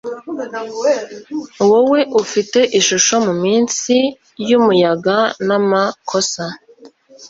Wowe ufite ishusho muminsi yumuyaga namakosa